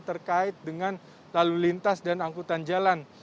terkait dengan lalu lintas dan angkutan jalan